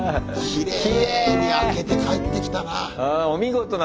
きれいに空けて帰ってきたな。